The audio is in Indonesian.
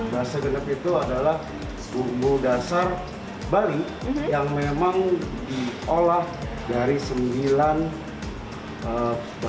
basa genep itu adalah bumbu dasar bali yang memang diolah dari sembilan bahan dasar mix jadi satu